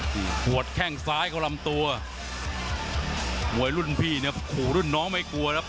โอ้โหหัวแข้งซ้ายเข้าลำตัวมวยรุ่นพี่เนี่ยขู่รุ่นน้องไม่กลัวครับ